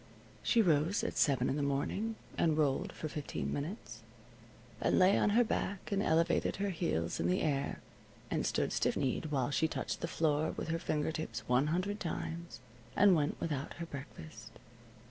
She rose at seven in the morning, and rolled for fifteen minutes, and lay on her back and elevated her heels in the air, and stood stiff kneed while she touched the floor with her finger tips one hundred times, and went without her breakfast.